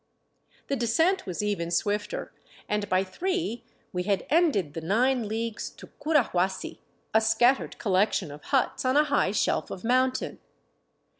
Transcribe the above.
The descent was even swifter, and by three we had ended the nine leagues to Curahuasi, a scattered collection of huts on a high shelf of mountain.